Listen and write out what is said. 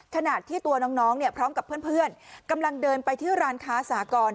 ขณะที่ตัวน้องพร้อมกับเพื่อนกำลังเดินไปที่ร้านค้าสากร